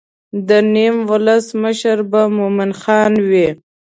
د نیم ولس مشر به مومن خان وي.